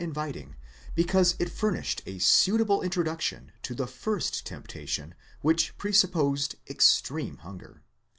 261 inviting, because it furnished a suitable introduction to the first temptation which presupposed extreme hunger.